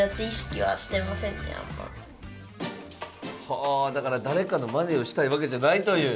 はあだから誰かのまねをしたいわけじゃないという。